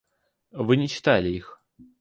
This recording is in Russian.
Вы не читали их.